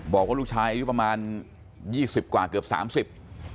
บอกว่าลูกชายประมาณ๒๐กว้าเกือบ๓๐